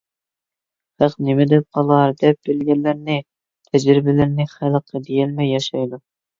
خەق نېمە دەپ قالار دەپ، بىلگەنلىرىنى، تەجرىبىلىرىنى خەلققە دېيەلمەي ياشايدۇ.